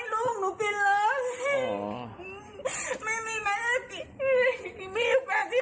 พวกลูกก็ไม่ได้